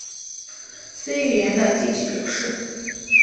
C 语言的机器表示